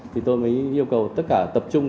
thì tôi mới yêu cầu tất cả tập trung